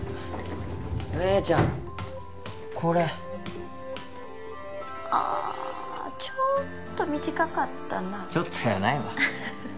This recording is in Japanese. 姉ちゃんこれああちょっと短かったなちょっとやないわウッフフ